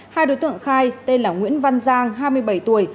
hai đối tượng khai tên là nguyễn văn giang hai mươi bảy tuổi